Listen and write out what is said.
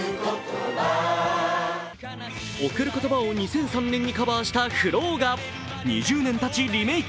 「贈る言葉」を２００３年にカバーしたＦＬＯＷが２０年たちリメーク。